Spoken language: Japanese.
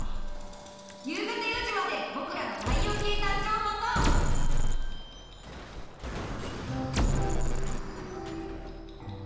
夕方４時までぼくらの太陽系誕生を待とう。